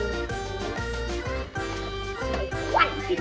อ้าวมีอีก